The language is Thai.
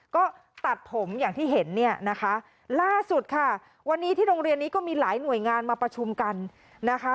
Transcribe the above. ก็ตัดผมอย่างที่เห็นเนี่ยนะคะล่าสุดค่ะวันนี้ที่โรงเรียนนี้ก็มีหลายหน่วยงานมาประชุมกันนะคะ